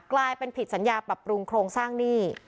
กลายเป็นผิดสัญญาปรับปรุงโครงสร้างหนี้